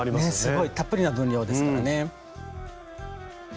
すごいたっぷりな分量ですからね。